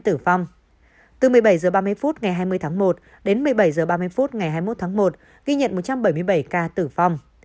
tử vong từ một mươi bảy h ba mươi phút ngày hai mươi tháng một đến một mươi bảy h ba mươi phút ngày hai mươi một tháng một ghi nhận một trăm bảy mươi bảy ca tử vong